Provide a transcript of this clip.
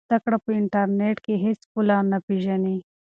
زده کړه په انټرنیټ کې هېڅ پوله نه پېژني.